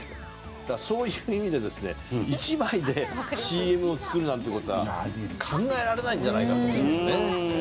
だからそういう意味でですね一枚でＣＭを作るなんていう事は考えられないんじゃないかと思うんですよね。